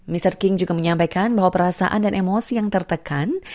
mr king juga menyampaikan bahwa perasaan dan emosi yang tertekan